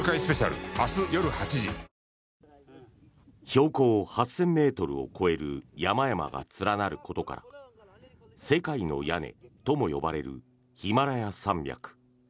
標高８０００ｍを超える山々が連なることから世界の屋根とも呼ばれるヒマラヤ山脈。